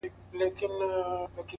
په خبر سو معامیلې دي نوري نوري,